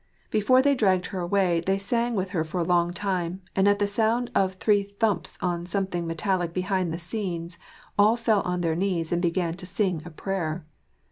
But before they dragged her away they sang with her for a long time, and at the sound of .three thumps on some thing metallic behind the scenes all fell on their knees and began to sing a prayer.